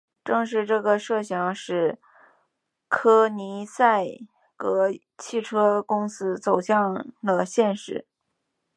正是这个设想使柯尼塞格汽车公司走向了现实。